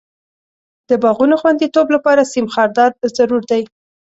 د باغونو خوندیتوب لپاره سیم خاردار ضرور دی.